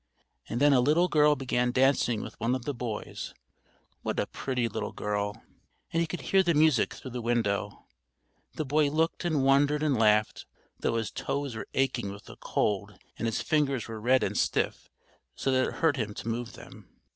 And then a little girl began dancing with one of the boys, what a pretty little girl! And he could hear the music through the window. The boy looked and wondered and laughed, though his toes were aching with the cold and his fingers were red and stiff so that it hurt him to move them.